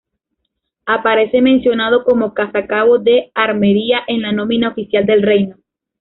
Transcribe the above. Aparece mencionado como casa cabo de armería en la nómina oficial del Reino.